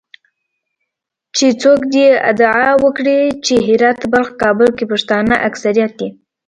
چې څوک دې ادعا وکړي چې هرات، بلخ، کابل کې پښتانه اکثریت دي